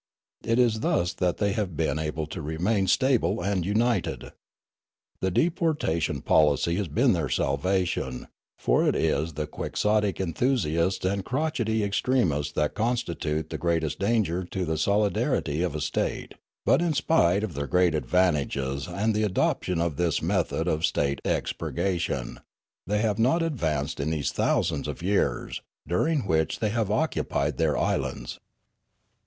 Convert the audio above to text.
It is thus that they have been able to remain stable and united. The deportation polic}' has been their salvation, for it is the quixotic enthusiasts and crotchet^' extremists that constitute the greatest danger to the solidarity of a state ; but in spite of their great advantages and the adoption of this method of state expurgation, the}^ have not Noola 411 advanced in these thousands of years, during which they have occupied their islands.